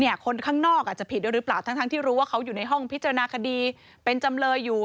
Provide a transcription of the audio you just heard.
คนข้างนอกอาจจะผิดด้วยหรือเปล่าทั้งที่รู้ว่าเขาอยู่ในห้องพิจารณาคดีเป็นจำเลยอยู่